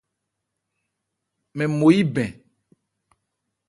Mɛn mo yí bɛn.